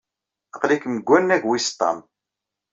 Aql-ikem deg wannag wis ṭam.